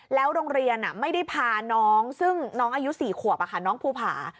แล้วโรงเรียนไม่ได้พาน้องซึ่งน้องอายุ๔ขวบน้องภูผา